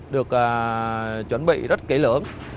được chuẩn bị rất kỹ lưỡng